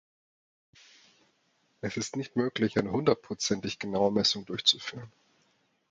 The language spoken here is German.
Es ist nicht möglich, eine hundertprozentig genaue Messung durchzuführen.